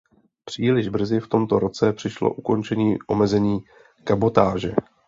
Příliš brzy v tomto roce přišlo ukončení omezení kabotáže.